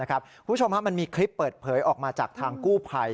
คุณผู้ชมมันมีคลิปเปิดเผยออกมาจากทางกู้ภัย